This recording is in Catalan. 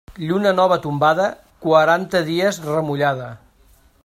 Lluna nova tombada, quaranta dies remullada.